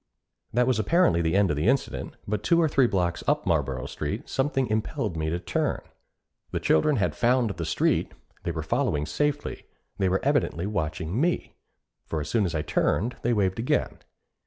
That was apparently the end of the incident; but two or three blocks up Marlboro Street, something impelled me to turn. The children had found the street, they were following safely, they were evidently watching me; for as soon as I turned, they waved again.